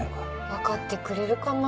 わかってくれるかな？